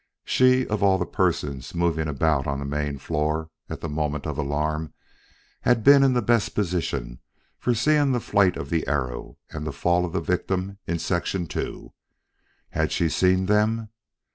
She, of all the persons moving about on the main floor at the moment of alarm, had been in the best position for seeing the flight of the arrow and the fall of the victim in Section II. Had she seen them?